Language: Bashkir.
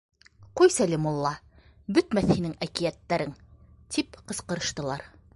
— Ҡуйсәле, мулла, бөтмәҫ һинең әкиәттәрең! — тип ҡысҡырыштылар.